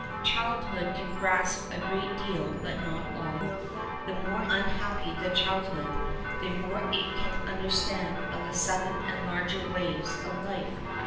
Childhood can grasp a great deal, but not all. The more unhappy the childhood, the more it can understand of the sudden and larger ways of life.